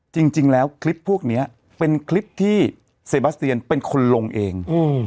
จริงแล้วคลิปพวกนี้เป็นคลิปที่เซบาสเตียนเป็นคนลงเอง